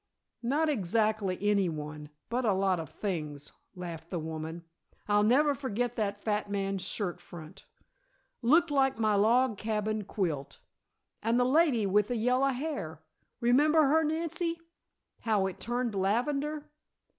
"Not exactly anyone, but a lot of things," laughed the woman. "I'll never forget that fat man's shirt front! Looked like my log cabin quilt. And the lady with the yellow hair remember her, Nancy? How it turned lavender?"